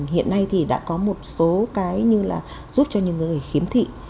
hiện nay thì đã có một số cái như là giúp cho những người khiếm thị